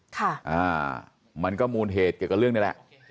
ค่ะอ่ามันก็มูลเหตุเกี่ยวกับเรื่องนี่แหละ